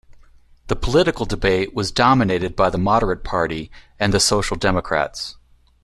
The political debate was dominated by the Moderate Party and the Social Democrats.